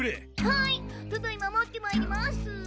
はいただいま持ってまいります。